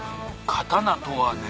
「刀とはね」。